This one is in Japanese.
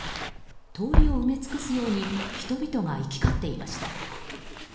通りを埋め尽くすように人々が行き交っていました。